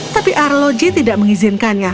tapi arloji tidak mengizinkannya